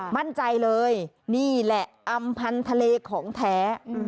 มั่นใจเลยนี่แหละอำพันธ์ทะเลของแท้